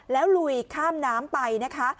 แล้วลุยข้ามน้ำไปนะคะ